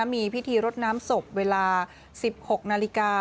มีพิธีรดน้ำศพเวลา๑๖นาฬิกา